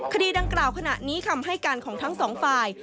คดีดังกล่าวขณะนี้คำให้การของทั้งสองฝ่าย